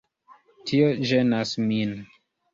Tio ĝenas min.